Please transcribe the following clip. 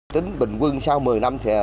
tính bình quân sau một mươi năm